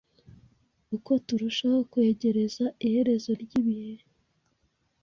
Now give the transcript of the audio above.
Uko turushaho kwegereza iherezo ry’ibihe